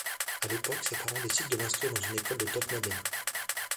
À l'époque, ses parents décident de l'inscrire dans une école de top models.